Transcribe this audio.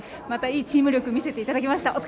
またいいチーム力見せていただきました。